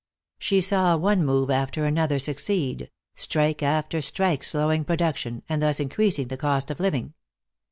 She saw one move after another succeed, strike after strike slowing production, and thus increasing the cost of living.